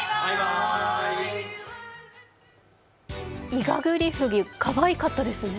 イガグリフグ、かわいかったですね。